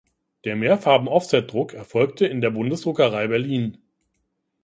Der Mehrfarben-Offsetdruck erfolgte in der Bundesdruckerei Berlin.